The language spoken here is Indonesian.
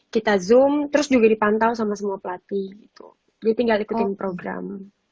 kita zoom terus juga dipantau sama semua pelatih dia tinggal ikutin program